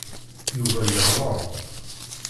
Yuba yeɣleḍ.